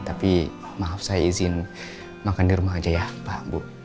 tapi maaf saya izin makan di rumah aja ya pak bu